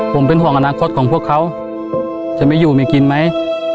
ผมเป็นห่วงอนาคตของพวกเขาจะไม่อยู่ไม่กินไหม